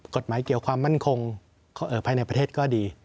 กฎหมายเกี่ยวความมั่นคงภายในประเทศก็ดี